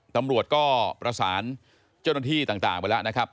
ตำรวจก็ประสานเจ้าหน้าที่ต่างไปแล้วนะครับ